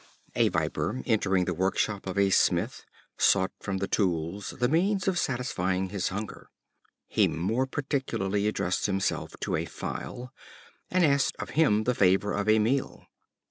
A Viper, entering the workshop of a smith, sought from the tools the means of satisfying his hunger. He more particularly addressed himself to a File, and asked of him the favor of a meal.